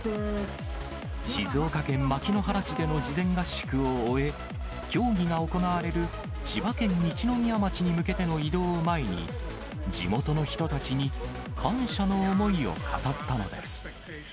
静岡県牧之原市での事前合宿を終え、競技が行われる千葉県一宮町に向けての移動を前に、地元の人たちに感謝の思いを語ったのです。